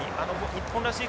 日本らしい